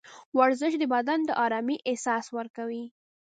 ورزش د بدن د ارامۍ احساس ورکوي.